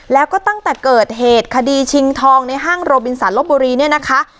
แล้วก็ตั้งแต่เกิดเหตุคดีชิงทองในห้างโรบินสันลบบุรีเนี่ยนะคะ